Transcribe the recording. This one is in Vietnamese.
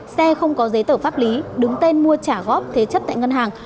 xe không có giấy tờ pháp lý đứng tên mua trả góp thế chấp tại ngân hàng